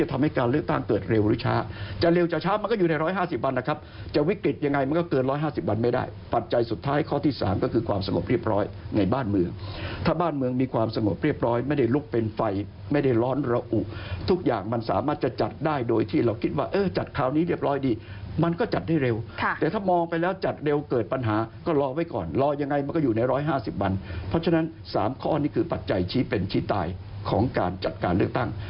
เพราะฉะนั้น๓ข้ออันนี้คือปัจจัยชี้เป็นชี้ตายของการจัดการเลือกตั้ง